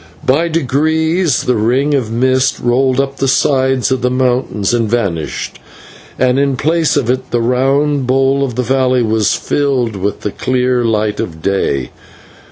By degrees the ring of mist rolled up the sides of the mountains and vanished, and in place of it the round bowl of the valley was filled with the clear light of day.